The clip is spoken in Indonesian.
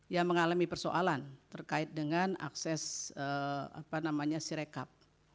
yang mengalami persoalan terkait dengan akses sirekap